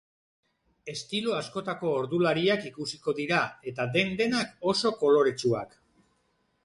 Estilo askotako ordulariak ikusiko dira eta den-denak oso koloretsuak.